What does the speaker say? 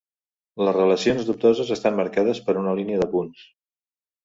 Les relacions dubtoses estan marcades per una línia de punts.